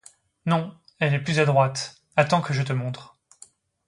Non, elle est plus à droite, attends que je te montre.